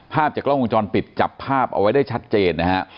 ภาพจากกล้องวงจรปิดจับภาพเอาไว้ได้ชัดเจนนะฮะ